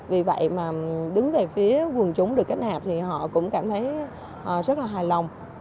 vì vậy mà đứng về phía quần chúng được kết nạp thì họ cũng cảm thấy rất là hài lòng